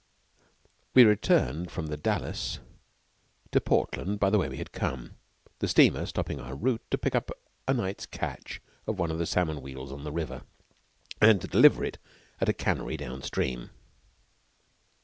We returned from The Dalles to Portland by the way we had come, the steamer stopping en route to pick up a night's catch of one of the salmon wheels on the river, and to deliver it at a cannery downstream.